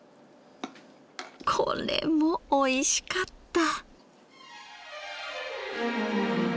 これもおいしかった。